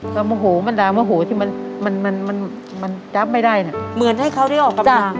ตามหูมันตามหูที่มันมันมันมันจับไม่ได้น่ะเหมือนให้เขาได้ออกกำลังกาย